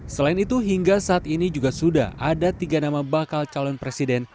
selain itu hingga saat ini juga sudah ada tiga nama bakal calon presiden